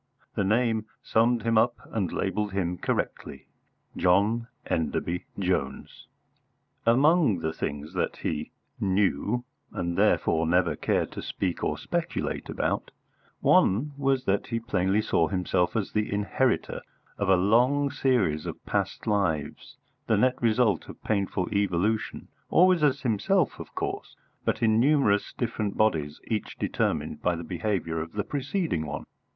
The name summed him up and labelled him correctly John Enderby Jones. Among the things that he knew, and therefore never cared to speak or speculate about, one was that he plainly saw himself as the inheritor of a long series of past lives, the net result of painful evolution, always as himself, of course, but in numerous different bodies each determined by the behaviour of the preceding one.